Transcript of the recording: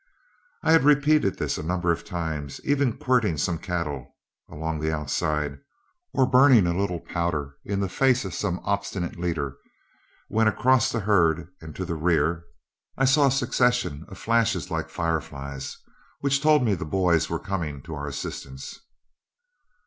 I had repeated this a number of times, even quirting some cattle along the outside, or burning a little powder in the face of some obstinate leader, when across the herd and to the rear I saw a succession of flashes like fireflies, which told me the boys were coming to our assistance.